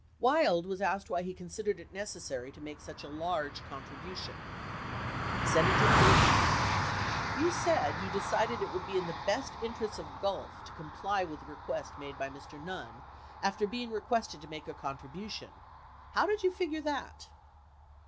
66 Wild was asked why he considered it necessary to make such a large contribution : Senator Ervin. You said you decided it would be in the best interests of Gulf to comply with the request made by Mr. Nunn after being requested to make a contribution. How did you figure that